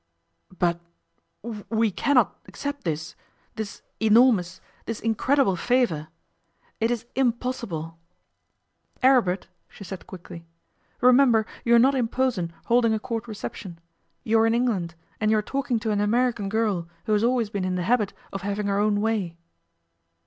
'But we cannot accept this this enormous, this incredible favour. It is impossible.' 'Aribert,' she said quickly, 'remember you are not in Posen holding a Court reception. You are in England and you are talking to an American girl who has always been in the habit of having her own way.